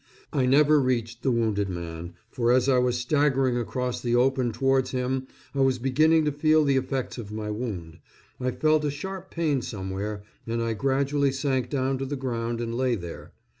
I never reached the wounded man, for as I was staggering across the open towards him I was beginning to feel the effects of my wound I felt a sharp pain somewhere, and I gradually sank down to the ground and lay there.